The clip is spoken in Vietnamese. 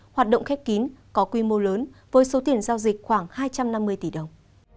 hoạt động khép kín có quy mô lớn với số tiền giao dịch khoảng hai trăm năm mươi tỷ đồng